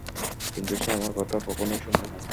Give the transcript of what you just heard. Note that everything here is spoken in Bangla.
কিন্তু সে আমার কথা কখনোই শোনে না!